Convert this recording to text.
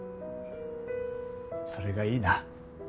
それがいいな。